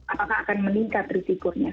apakah akan meningkat risikonya